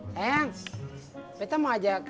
sayang beto mau ajak